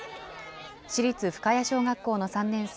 市立深谷小学校の３年生